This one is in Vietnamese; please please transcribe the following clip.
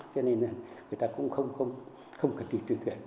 cho nên người ta cũng không cần tùy tuyển